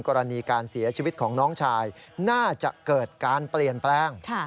กรณีการเสียชีวิตของน้องชายน่าจะเกิดการเปลี่ยนแปลง